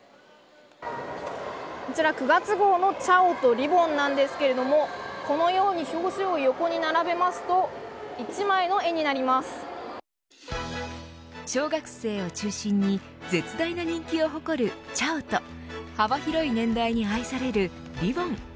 こちら、９月号のちゃおとりぼんなんですけれどもこのように表紙を横に並べますと小学生を中心に絶大な人気を誇る、ちゃおと幅広い年代に愛されるりぼん。